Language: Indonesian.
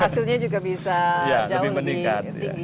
hasilnya juga bisa jauh lebih tinggi